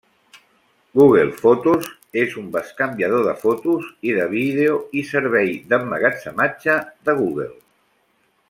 Google Fotos és un bescanviador de fotos i de vídeo i servei d'emmagatzematge de Google.